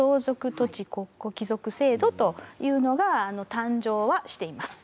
土地国庫帰属制度というのが誕生はしています。